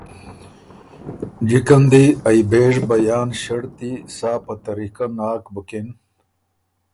جکه ن دی ائ بېژ بیان ݭړطی سا په طریقۀ ناک بُکِن